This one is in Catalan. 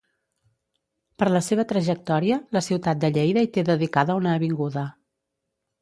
Per la seva trajectòria la ciutat de Lleida hi té dedicada una avinguda.